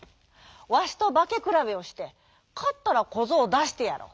わしとばけくらべをしてかったらこぞうをだしてやろう」。